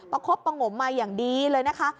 คบประงมมาอย่างดีเลยนะคะ